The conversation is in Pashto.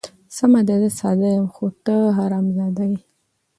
سمه ده زه ساده یم، خو ته حرام زاده یې.